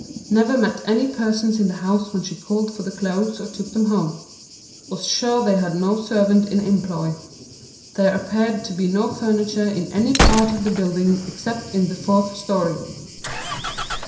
Never met any persons in the house when she called for the clothes or took them home. Was sure that they had no servant in employ. There appeared to be no furniture in any part of the building except in the fourth story.